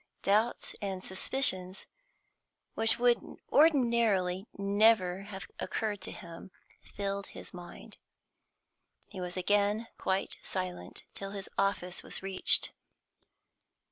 Doubts and suspicions which would ordinarily never have occurred to him filled his mind. He was again quite silent till his office was reached.